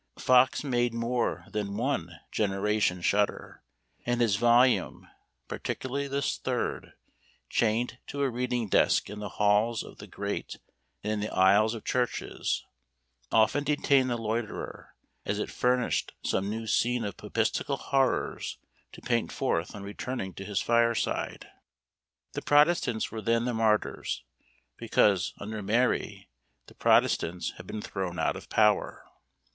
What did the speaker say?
Fox made more than one generation shudder; and his volume, particularly this third, chained to a reading desk in the halls of the great, and in the aisles of churches, often detained the loiterer, as it furnished some new scene of papistical horrors to paint forth on returning to his fireside. The protestants were then the martyrs, because, under Mary, the protestants had been thrown out of power.